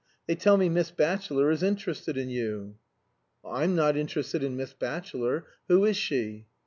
They tell me Miss Batchelor is interested in you." "I am not interested in Miss Batchelor. Who is she?"